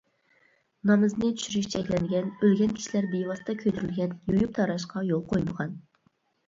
نامىزىنى چۈشۈرۈش چەكلەنگەن، ئۆلگەن كىشىلەر بىۋاسىتە كۆيدۈرۈلگەن ، يۇيۇپ تاراشقا يول قويمىغان.